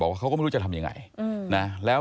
บอกเขาก็ไม่รู้จะทำอย่างไร